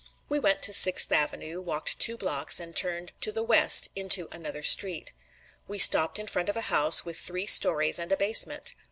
We went to Sixth Avenue, walked two blocks, and turned to the west into another street. We stopped in front of a house with three stories and a basement.